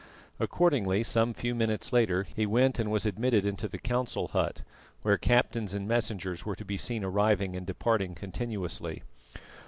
Accordingly, some few minutes later, he went and was admitted into the Council Hut, where captains and messengers were to be seen arriving and departing continuously.